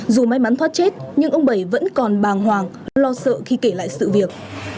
dù may mắn thoát chết nhưng ông bảy vẫn còn bàng hoàng lo sợ khi kể lại sự việc